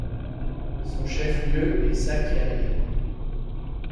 Son chef-lieu est Šakiai.